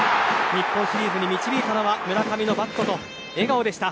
日本シリーズに導いたのは村上のバットと笑顔でした。